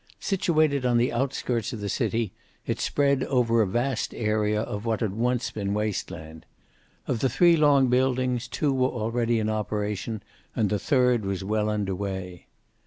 Situated on the outskirts of the city, it spread over a vast area of what had once been waste land. Of the three long buildings, two were already in operation and the third was well under way.